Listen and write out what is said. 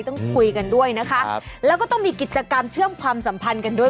ต้องคุยกันด้วยนะคะแล้วก็ต้องมีกิจกรรมเชื่อมความสัมพันธ์กันด้วย